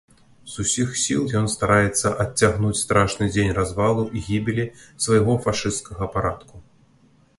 З усіх сіл ён стараецца адцягнуць страшны дзень развалу і гібелі свайго фашысцкага парадку.